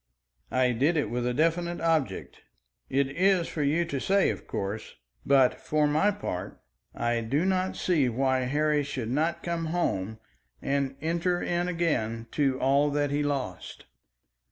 "I did it with a definite object. It is for you to say, of course, but for my part I do not see why Harry should not come home and enter in again to all that he lost."